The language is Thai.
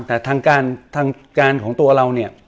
แต่ทางการของตัวเราเนี่ย